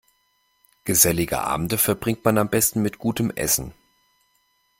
Gesellige Abende verbringt man am besten mit gutem Essen.